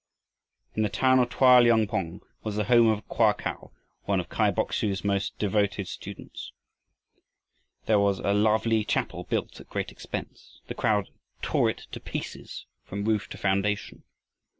In the town of Toa liong pong was the home of Koa Kau, one of Kai Bok su's most devoted students. Here was a lovely chapel built at great expense. The crowd tore it to pieces from roof to foundation.